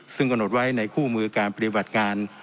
ซึ่งกำหนดไว้ในคู่มือการปฏิบัติงาน